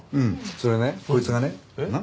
それねこいつがねなっ？